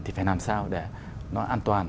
thì phải làm sao để nó an toàn